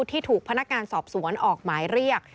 ที่ถูกพนักงานสอบสวนออกหมายเรียก